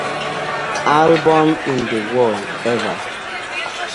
Album in the World...Ever!